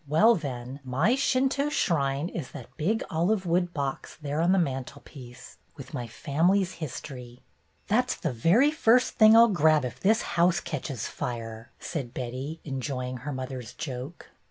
Well, then, my Shinto shrine is that big olive wood box there on the mantlepiece, with my family's history." "That's the very first thing I'll grab if this house catches fire," said Betty, enjoying her mother's joke.